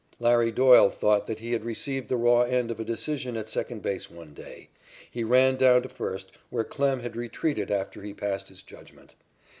"Larry" Doyle thought that he had received the raw end of a decision at second base one day. He ran down to first, where Klem had retreated after he passed his judgment.